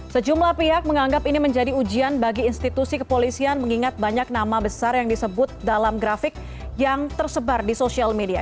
sejumlah pihak menganggap ini menjadi ujian bagi institusi kepolisian mengingat banyak nama besar yang disebut dalam grafik yang tersebar di sosial media